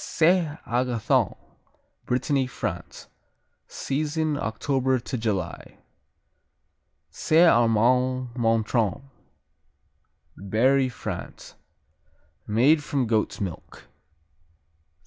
Saint Agathon Brittany, France Season, October to July. Saint Amand Montrond Berry, France Made from goat's milk.